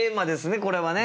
これはね。